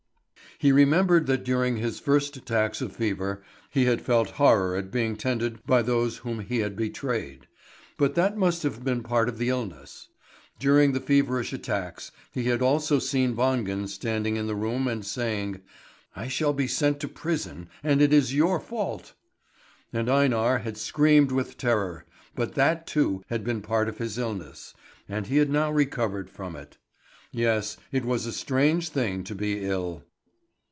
He remembered that during his first attacks of fever, he had felt horror at being tended by those whom he had betrayed; but that must have been part of the illness. During the feverish attacks, he had also seen Wangen standing in the room and saying: "I shall be sent to prison, and it is your fault." And Einar had screamed with terror; but that too had been part of his illness, and he had now recovered from it. Yes, it was a strange thing to be ill.